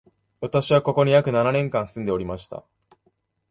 私は、ここに約七年間住んでおりました